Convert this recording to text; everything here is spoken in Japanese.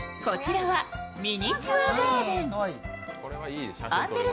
こちらはミニチュアガーデン。